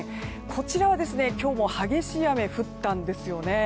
こちらは今日も激しい雨が降ったんですよね。